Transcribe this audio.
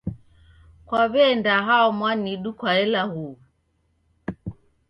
Kwawe'nda hao mwanidu kwaela huw'u?